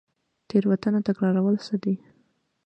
تیروتنه تکرارول څه دي؟